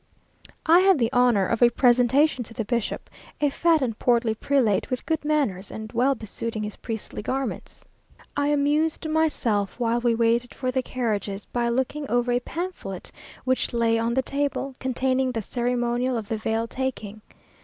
I had the honour of a presentation to the bishop, a fat and portly prelate, with good manners, and well besuiting his priestly garments. I amused myself, while we waited for the carriages, by looking over a pamphlet which lay on the table, containing the ceremonial of the veil taking.